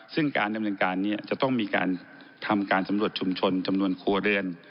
ซึ่งการดำเนินการนี้จะต้องมีการทำการสำรวจชุมชนจำนวนครัวเรือน